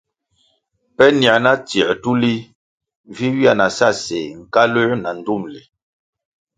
Pe nier na tsier tulih vi ywia na sa séh, nkaluer na ndtumli.